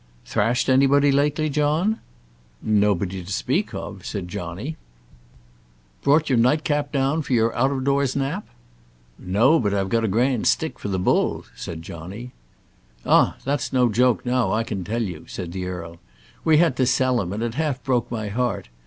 "Thrashed anybody lately, John?" "Nobody to speak of," said Johnny. "Brought your nightcap down for your out o' doors nap?" "No; but I've got a grand stick for the bull," said Johnny. "Ah! that's no joke now, I can tell you," said the earl. "We had to sell him, and it half broke my heart.